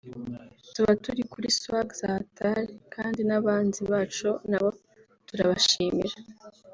tuba turi kuri swagga za hatari kandi n’abanzi bacu nabo turabashimira”